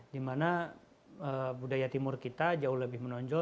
di mana budaya timur kita jauh lebih menonjol